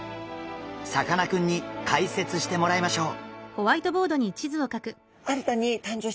さかなクンに解説してもらいましょう。